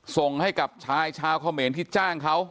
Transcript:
ส่งให้กับชายชาวเขมรที่จ้างเขา